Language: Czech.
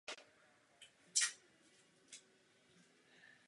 Byl členem Staré Akademie.